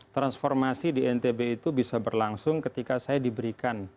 transformasi di ntb itu bisa berlangsung ketika saya diberikan